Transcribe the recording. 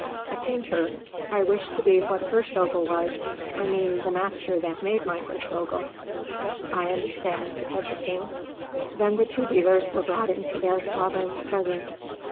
"A painter. I wish to be what Hirschvogel was I mean the master that made my Hirschvogel." "I understand," said the king. Then the two dealers were brought into their sovereign's presence.